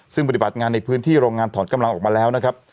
ซึ่งปฏิบัติงานในพื้นที่โรงงานถอนกำลังออกมาแล้วนะครับ